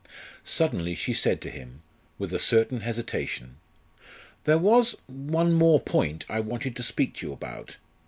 Suddenly she said to him, with a certain hesitation: "There was one more point I wanted to speak to you about.